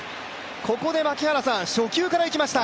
ここで初球からいきました。